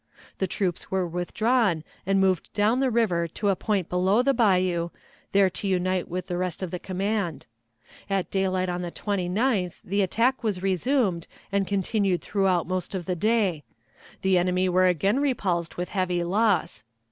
The troops were withdrawn and moved down the river to a point below the bayou, there to unite with the rest of the command. At daylight on the 29th the attack was resumed and continued throughout the most of the day; the enemy were again repulsed with heavy loss.